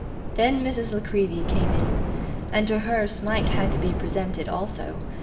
Then, Miss La Creevy came in; and to her Smike had to be presented also.